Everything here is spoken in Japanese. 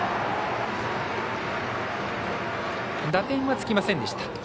打点はつきませんでした。